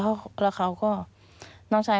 มันจอดอย่างง่ายอย่างง่าย